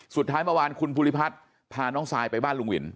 สุดท้ายเมื่อวานคุณภูริพัฒน์พาน้องซายไปบ้านลุงวิน